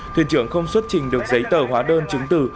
thuyền trưởng không xuất trình được giấy tờ hóa đơn chứng từ